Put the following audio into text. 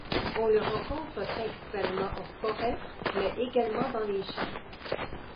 On le rencontre principalement en forêt mais également dans les champs.